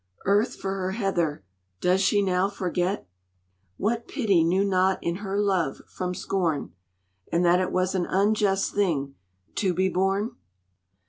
Earth for her heather, does she now forget What pity knew not in her love from scorn, And that it was an unjust thing to be born?